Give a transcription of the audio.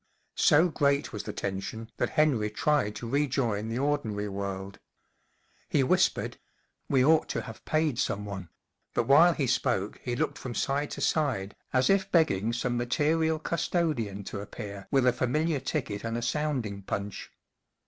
So great was the tension that Henry tried to rejoin the ordinary world. He whispered :We ought to have paid someone," but while he spoke he looked throw from side to side, as if begging some material custodian to appear with a familiar ticket and a sounding punch.